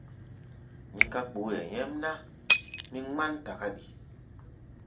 Níká kpooʼɛ nyɛ́mná, mí ŋmán takáɗi.